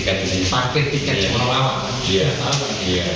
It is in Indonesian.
batasannya terakhir kan sampai